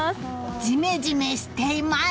ジメジメしています！